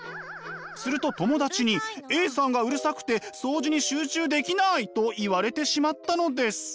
すると友達に「Ａさんがうるさくて掃除に集中できない」と言われてしまったのです。